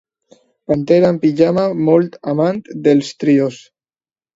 Pantera amb pijama molt amant dels trios.